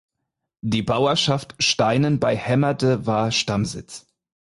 Die Bauerschaft Steinen bei Hemmerde war Stammsitz.